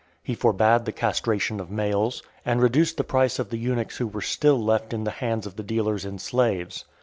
He forbad the castration of males; and reduced the price of the eunuchs who were still left in the hands of the dealers in slaves.